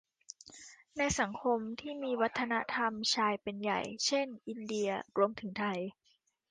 ในสังคมที่มีวัฒนธรรมชายเป็นใหญ่ เช่น อินเดีย รวมถึงไทย